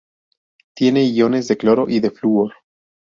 Tiene iones de cloro y de flúor.